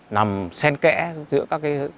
nằm sen kẽ giữa các cái